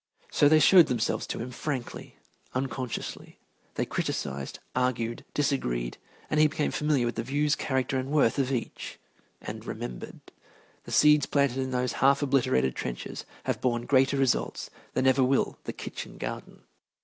So they showed themselves to him frankly, unconsciously. They criticised, argued, disagreed, and he became familiar with the views, character, and worth of each, and remembered. The seeds planted in those half obliterated trenches have borne greater results than ever will the kitchen garden.